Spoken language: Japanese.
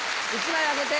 １枚あげて。